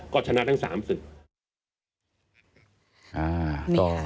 ก็ชนะทั้ง๓ศึก